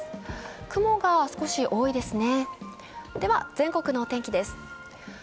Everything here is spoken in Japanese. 雲が少し多いですね。